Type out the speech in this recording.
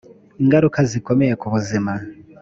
ingaruka zikomeye ku buzima